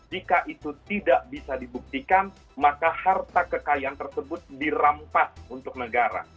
jika itu tidak bisa dibuktikan maka harta kekayaan tersebut dirampas untuk negara